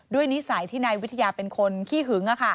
นิสัยที่นายวิทยาเป็นคนขี้หึง